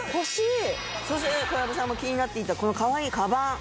そして小籔さんも気になっていたこのかわいいカバン。